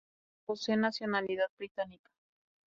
Sus padres poseen nacionalidad británica.